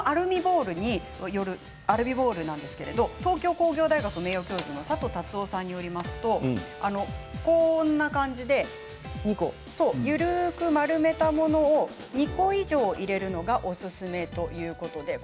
アルミボールなんですが東京工業大学名誉教授の里達雄さんによりますとこんな感じで緩く丸めたものを２個以上入れるのがおすすめということなんです。